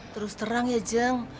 terus terang ya jeng